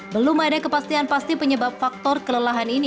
belum ada kepastian pasti penyebab faktor kelelahan ini